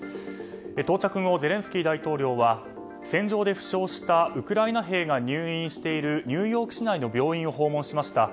到着後、ゼレンスキー大統領は戦場で負傷したウクライナ兵が入院しているニューヨーク市内の病院を訪問しました。